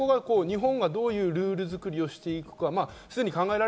日本がどういうルール作りをしていくか。